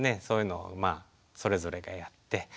そういうのをまあそれぞれがやって。